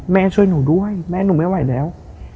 ช่วยหนูด้วยแม่หนูไม่ไหวแล้ว